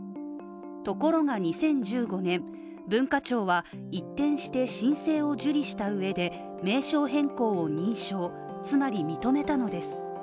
ところが２０１５年文化庁は一転して申請を受理したうえで名称変更を認証、つまり認めたのです。